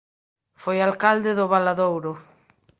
Foi alcalde do Valadouro.